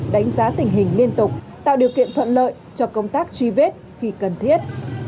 đánh giá tình hình liên tục tạo điều kiện thuận lợi cho công tác truy vết khi cần thiết